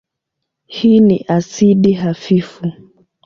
Hii ni asidi hafifu.